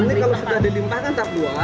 nanti kalau sudah dilimpahkan tabuola